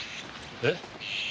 えっ？